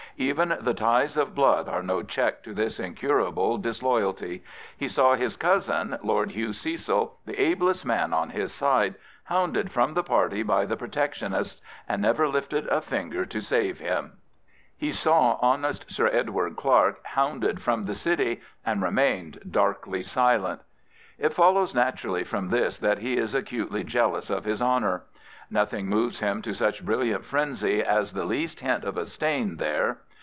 Even the ties of blood are no check to this incurable disloyalty. He saw his cousin. Lord Hugh Cecil, the ablest man on his side, hounded from the party by the Protec tionists, and never lifted a finger to save him. He 34 Arthur James Balfour saw honest Sir Edward Clarke hounded from the City and remained darkly silent. It follows naturally from this that he is acutely jealous of his honour. Nothing moves him to such brilliant frenzy as the least hint of a stain there.